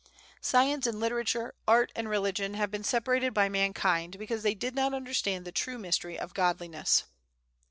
Science and literature, art and religion, have been separated by mankind, because they did not understand the true mystery of Godliness.